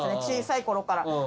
小さいころから。